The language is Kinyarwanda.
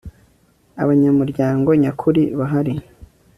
abanyamuryango nyakuri bahari